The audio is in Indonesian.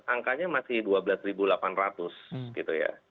angkanya masih dua belas delapan ratus gitu ya